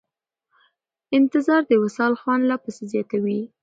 انتظار د وصال خوند لا پسې زیاتوي.